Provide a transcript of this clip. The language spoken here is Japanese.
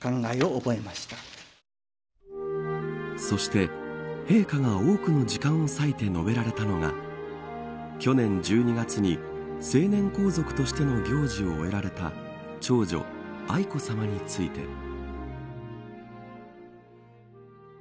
そして陛下が多くの時間を割いて述べられたのが去年１２月に、成年皇族としての行事を終えられた長女、愛子さまについて。